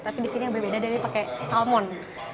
tapi disini yang berbeda dari pakai salmon